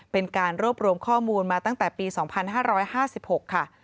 เป็นการรวบรวมข้อมูลมาตั้งแต่ปี๒๕๕๖ค่ะ